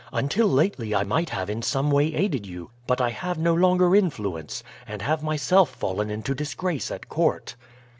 Until lately I might have in some way aided you, but I have no longer influence and have myself fallen into disgrace at court."